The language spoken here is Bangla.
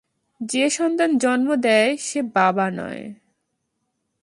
যে সন্তান জন্ম দেয় সে বাবা নয়।